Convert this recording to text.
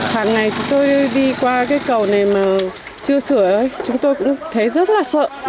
hàng ngày chúng tôi đi qua cây cầu này mà chưa sửa chúng tôi cũng thấy rất là sợ